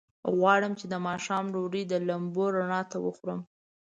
غواړم چې د ماښام ډوډۍ د لمبو رڼا ته وخورم.